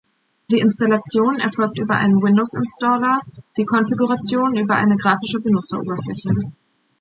Die Installation erfolgt über einen Windows-Installer, die Konfiguration über eine grafische Benutzeroberfläche.